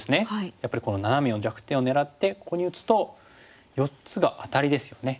やっぱりこのナナメの弱点を狙ってここに打つと４つがアタリですよね。